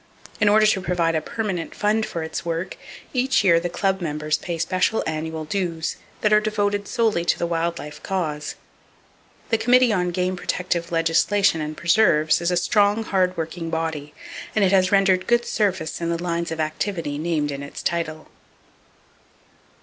In order to provide a permanent fund for its work, each year the club members pay special annual dues that are devoted solely to the wild life cause. The Committee on Game Protective Legislation and Preserves is a strong, hard working body, and it has rendered good service in the lines of activity named in its title.